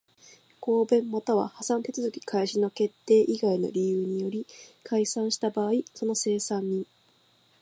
合併又は破産手続開始の決定以外の理由により解散した場合その清算人